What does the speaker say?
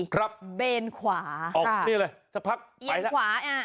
ครับเบนขวาออกนี่เลยสักพักไปแล้ว